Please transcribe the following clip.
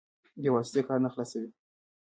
بې واسطې کار نه خلاصوي.